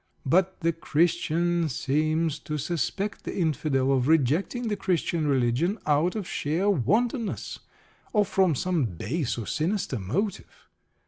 But the Christian seems to suspect the Infidel of rejecting the Christian religion out of sheer wantonness, or from some base or sinister motive.